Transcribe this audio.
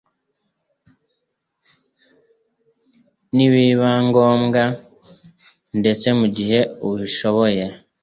nibinaba ngombwa ndetse mu gihe ubishoboye